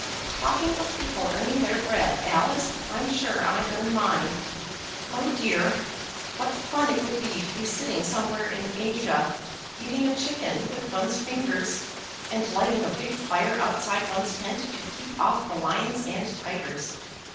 Talking of people earning their bread, Alice; I'm sure I earn mine. Oh dear! what fun it would be to be sitting somewhere in Asia, eating a chicken with one's fingers, and lighting a big fire outside one's tent to keep off the lions and tigers.